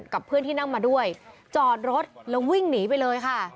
กับเพื่อนที่นั่งมาด้วยจอดรถแล้ววิ่งหนีไปเลยค่ะ